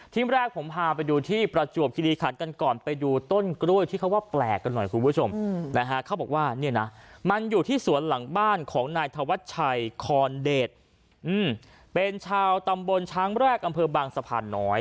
แรกผมพาไปดูที่ประจวบคิริขันกันก่อนไปดูต้นกล้วยที่เขาว่าแปลกกันหน่อยคุณผู้ชมนะฮะเขาบอกว่าเนี่ยนะมันอยู่ที่สวนหลังบ้านของนายธวัชชัยคอนเดชเป็นชาวตำบลช้างแรกอำเภอบางสะพานน้อย